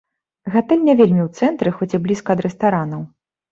Гатэль не вельмі ў цэнтры, хоць і блізка ад рэстаранаў.